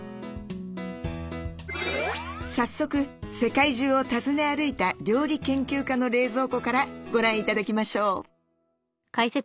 早速世界中を訪ね歩いた料理研究家の冷蔵庫からご覧頂きましょう。